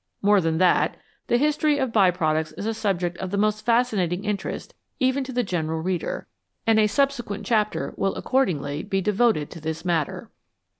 More than that, the history of by products is a subject of the most fascinating interest even to the general reader, and a subsequent chapter will accordingly be devoted to this matter.